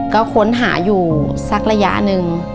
ก็ค้นหาอยู่สักระยะหนึ่ง